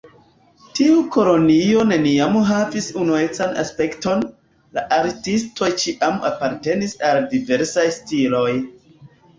Tiu kolonio neniam havis unuecan aspekton, la artistoj ĉiam apartenis al diversaj stiloj.